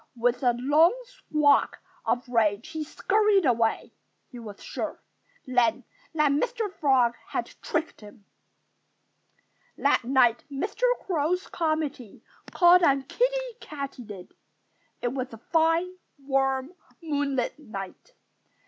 With a loud squawk of rage he scurried away. He was sure, then, that Mr. Frog had tricked him. That night Mr. Crow's committee called on Kiddie Katydid. It was a fine, warm, moonlight night.